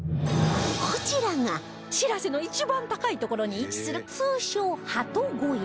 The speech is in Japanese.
こちらが「しらせ」の一番高い所に位置する通称ハト小屋